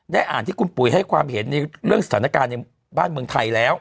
อ่านที่คุณปุ๋ยให้ความเห็นในเรื่องสถานการณ์ในบ้านเมืองไทยแล้ว